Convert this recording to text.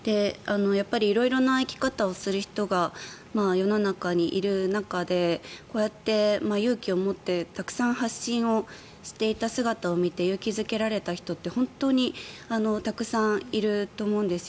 色々な生き方をする人が世の中にいる中でこうやって、勇気を持ってたくさん発信をしていた姿を見て勇気付けられた人って本当にたくさんいると思うんです。